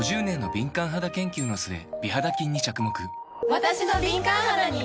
わたしの敏感肌に！